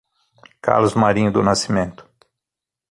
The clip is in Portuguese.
Carlos Marinho do Nascimento